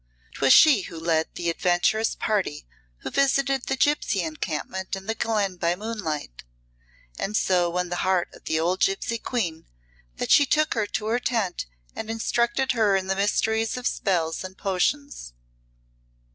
'Twas she who led the adventurous party who visited the gipsy encampment in the glen by moonlight, and so won the heart of the old gipsy queen that she took her to her tent and instructed her in the mysteries of spells and potions.